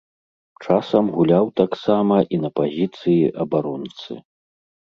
Часам гуляў таксама і на пазіцыі абаронцы.